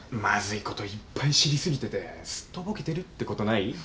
まずいこといっぱい知り過ぎててすっとぼけてるってことない？